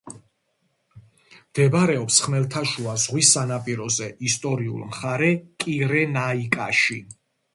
მდებარეობს ხმელთაშუა ზღვის სანაპიროზე, ისტორიულ მხარე კირენაიკაში.